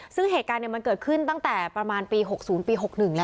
ซึ่งเหตุการณ์มันเกิดขึ้นตั้งแต่ประมาณปี๖๐ปี๖๑แล้ว